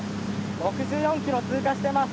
６４ｋｍ通過してます